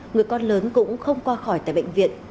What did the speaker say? người con lớn cũng không qua khỏi tại bệnh viện